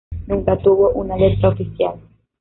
Nunca tuvo una letra oficial.